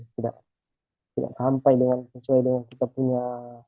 tidak sampai dengan sesuai dengan kita punya